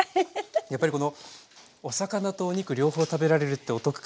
やっぱりこのお魚とお肉両方食べられるってお得感ありますね。